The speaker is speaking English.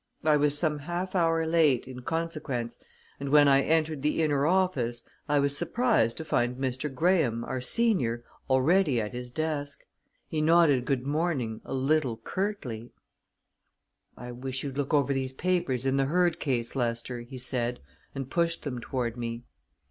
I was some half hour late, in consequence, and when I entered the inner office, I was surprised to find Mr. Graham, our senior, already at his desk. He nodded good morning a little curtly. "I wish you'd look over these papers in the Hurd case, Lester," he said, and pushed them toward me.